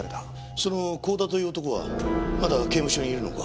その甲田という男はまだ刑務所にいるのか？